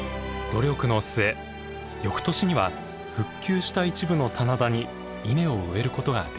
努力の末翌年には復旧した一部の棚田に稲を植えることができました。